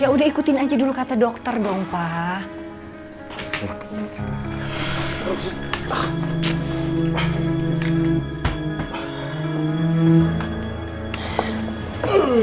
ya udah ikutin aja dulu kata dokter dong pak